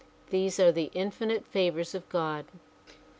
These are the infinite favors of God.